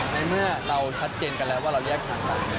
ในเมื่อเราชัดเจนกันแล้วว่าเราแยกทางกัน